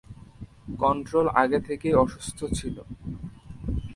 Control আগে থেকেই অসুস্থ ছিল।